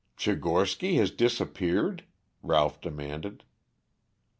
"Tchigorsky has disappeared?" Ralph demanded.